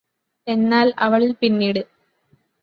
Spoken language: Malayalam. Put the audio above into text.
എന്നാല് അവളില് പിന്നീട്